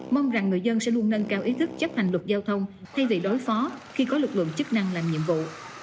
mong rằng người dân sẽ luôn nâng cao ý thức chấp hành luật giao thông thay vì đối phó khi có lực lượng chức năng làm nhiệm vụ